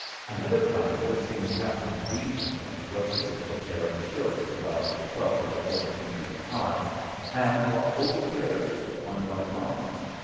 Another plan that seemed half way reasonable was to build a pair of stilts about twelve or fourteen feet high and walk over the barriers one by one.